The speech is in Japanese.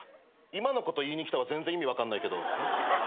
今のこと言いに来たは全然意味分かんないけど。